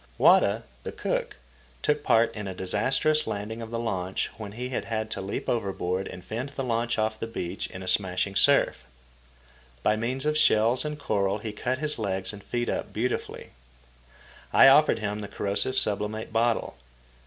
Wada, the cook, took part in a disastrous landing of the launch, when he had to leap overboard and fend the launch off the beach in a smashing surf. By means of shells and coral he cut his legs and feet up beautifully. I offered him the corrosive sublimate bottle.